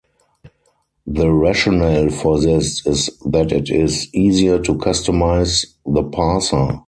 The rationale for this is that it is easier to customize the parser.